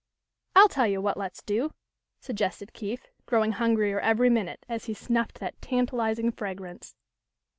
"I'll tell you what let's do," suggested Keith, growing hungrier every minute as he snuffed that tantalising fragrance.